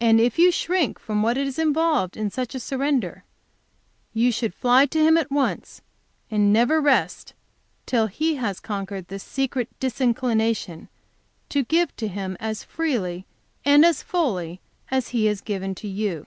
And if you shrink from what is involved in such a surrender, you should fly to Him at once and never rest till He has conquered this secret disinclination to give to Him as freely and as fully as He has given to you.